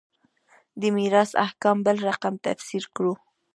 د میراث احکام بل رقم تفسیر کړو.